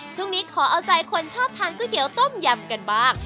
ช่วงนี้ขอเอาใจคนชอบทานก๋วยเตี๋ยวต้มยำกันบ้าง